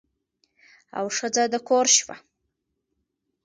او ښځه د کور شوه.